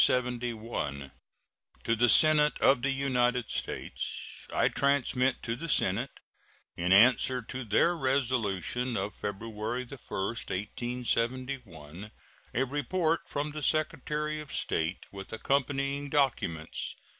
To the Senate of the United States: I transmit to the Senate, in answer to their resolution of February 1, 1871, a report from the Secretary of State, with accompanying documents.